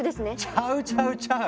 ⁉ちゃうちゃうちゃう！